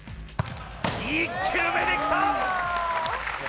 １球目で来た！